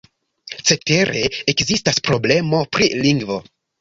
Cetere, ekzistas problemo pri lingvo.